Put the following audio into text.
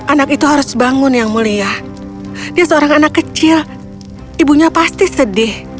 anak itu harus bangun yang mulia dia seorang anak kecil ibunya pasti sedih